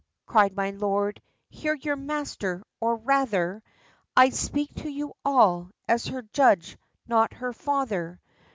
cried my lord, 'Hear your master or rather, I'd speak to you all, as her judge not her father!